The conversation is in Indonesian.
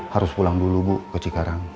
harus pulang dulu bu ke cikarang